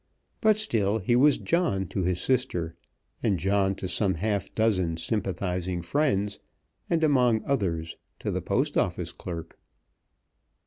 But still he was John to his sister, and John to some half dozen sympathising friends, and among others to the Post Office clerk.